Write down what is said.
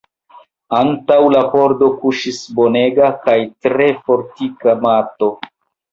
Antaŭ la pordo kuŝis bonega kaj tre fortika mato.